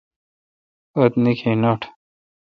اُتھ نیکھ نٹ۔